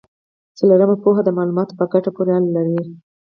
څلورمه پوهه د معلوماتو په ګټه پورې اړه لري.